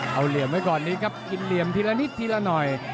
เอาเหลี่ยมไว้ก่อนนี้ครับกินเหลี่ยมทีละนิดทีละหน่อย